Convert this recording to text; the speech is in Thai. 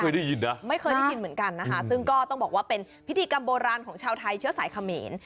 ได้ยินนะไม่เคยได้ยินเหมือนกันนะคะซึ่งก็ต้องบอกว่าเป็นพิธีกรรมโบราณของชาวไทยเชื้อสายเขมร